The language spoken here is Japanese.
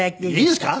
いいですか？